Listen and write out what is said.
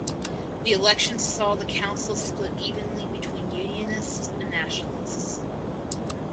The election saw the council split evenly between Unionists and Nationalists.